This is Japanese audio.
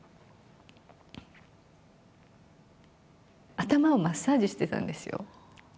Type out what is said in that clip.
頭をマッサージしてたんですよ。